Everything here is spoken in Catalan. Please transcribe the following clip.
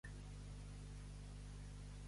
Ser una golfa.